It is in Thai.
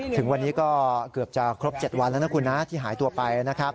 ถึงวันนี้ก็เกือบจะครบ๗วันแล้วที่หายตัวไป